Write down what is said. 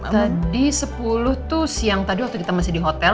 tadi sepuluh tuh siang tadi waktu kita masih di hotel